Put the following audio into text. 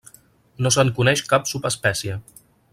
No se'n coneix cap subespècie.